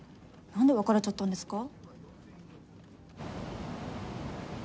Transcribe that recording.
なんで別れちゃったんですか？